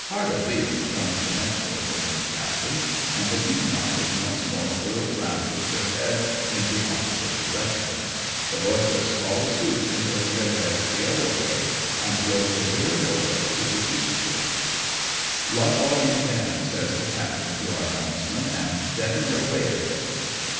" Hard a lee," comes the next order from the captain, and the Hamont is once more whirled round with her head in the opposite direction. The lorchas follow suit in putting their heads the other way, and go careering away to the eastward. JVE LEAVE NIEWCHWANG. 53 " Luff all you can," says the captain to our helnis man, " and deaden her way a bit."